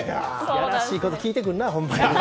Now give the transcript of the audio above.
やらしいことを聞いてくるな本当に。